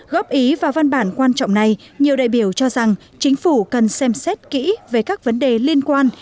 góp ý vào văn bản quan trọng này nhiều đại biểu cho rằng chính phủ cần xem xét kỹ về các vấn đề liên quan